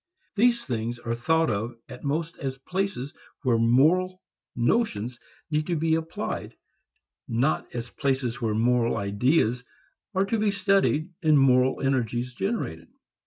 These things are thought of at most as places where moral notions need to be applied, not as places where moral ideas are to be studied and moral energies generated.